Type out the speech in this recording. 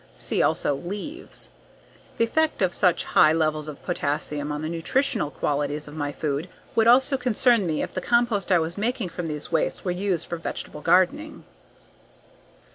(See also: _Leaves) _The effect of such high levels of potassium on the nutritional qualities of my food would also concern me if the compost I was making from these wastes were used for vegetable gardening.